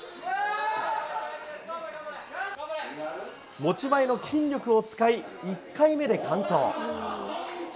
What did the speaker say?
持ち前の筋力を使い、１回目で完登。